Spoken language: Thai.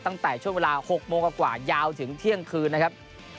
ตั้งแต่ช่วงเวลา๖โมงกว่ายาวถึงเที่ยงคืนนะครับ